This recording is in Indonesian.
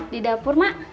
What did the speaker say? di dapur mak